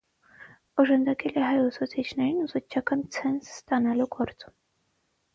Օժանդակել է հայ ուսուցիչներին՝ ուսուցչական ցենզ ստանալու գործում։